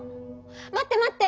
待って待って！